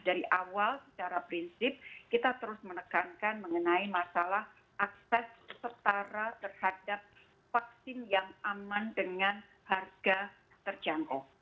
dari awal secara prinsip kita terus menekankan mengenai masalah akses setara terhadap vaksin yang aman dengan harga terjangkau